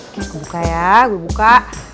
oke gue buka ya gue buka